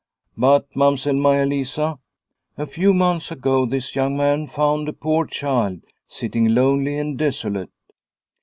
But, Mamsell Maia Lisa, a few months ago, this young man found a poor child sitting lonely and desolate.